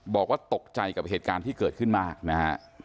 บอกว่าตกใจกับเหตุการณ์ที่เกิดขึ้นมากนะฮะ